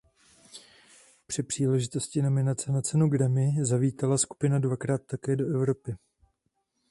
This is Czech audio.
Při příležitosti nominace na Cenu Grammy zavítala skupina dvakrát také do Evropy.